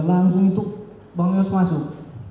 langsung itu bang yos masuk